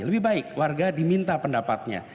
lebih baik warga diminta pendapatnya